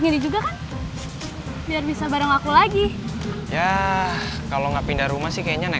soalnya tadi pas di jalan pen motor gue soak